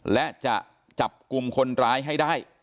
และจะจับกลุ่มคนร้ายให้ได้